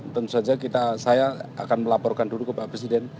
tentu saja saya akan melaporkan dulu ke pak presiden